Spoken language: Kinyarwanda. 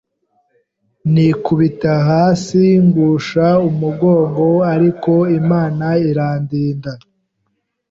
nikubita hasi ngusha umugongo ariko Imana irandinda,